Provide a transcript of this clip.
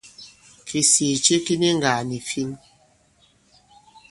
Kìsìì ce ki ni ŋgàà nì fin.